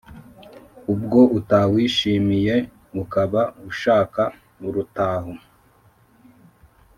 ubwo utawishimiye, ukaba ushaka urutaho